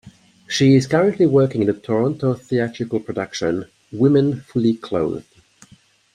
She is currently working in the Toronto theatrical production, Women Fully Clothed.